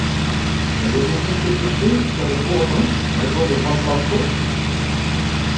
L'avez-vous vu s'essouffler sur le bourdon un jour de grande Pentecôte?